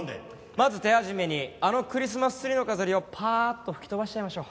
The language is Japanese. まず手始めにあのクリスマスツリーの飾りをパーッと吹き飛ばしちゃいましょう。